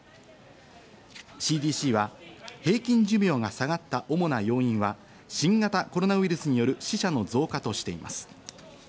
ＣＤＣは平均寿命が下がった主な要因は新型コロナウイルスによる死者の増加としています。